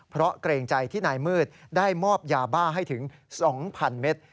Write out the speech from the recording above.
เพราะเกรงใจที่นายมืดได้มอบยาบ้าให้ถึง๒๐๐๐เมตร